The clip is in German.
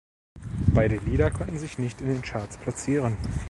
Beide Lieder konnten sich nicht in den Charts platzieren.